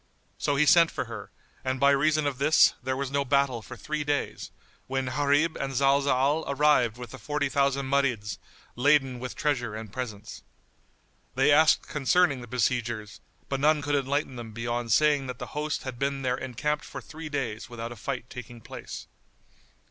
So he sent for her, and by reason of this, there was no battle for three days, when Gharib and Zalzal arrived with the forty thousand Marids, laden with treasure and presents. They asked concerning the besiegers, but none could enlighten them beyond saying that the host had been there encamped for three days without a fight taking place.